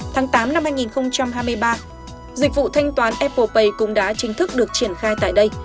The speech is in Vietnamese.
tháng tám năm hai nghìn hai mươi ba dịch vụ thanh toán apple pay cũng đã chính thức được triển khai tại đây